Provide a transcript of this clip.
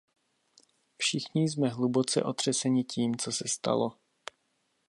Všichni jsme hluboce otřeseni tím, co se stalo.